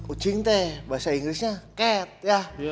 ucing teh bahasa inggrisnya cat ya